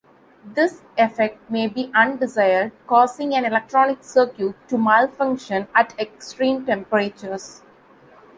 This effect may be undesired, causing an electronic circuit to malfunction at extreme temperatures.